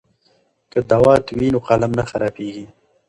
که دوات وي نو قلم نه وچیږي.